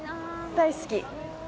大好き！